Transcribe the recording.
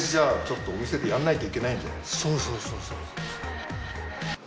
そうそうそうそう。